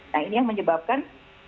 nah ini yang menyebabkan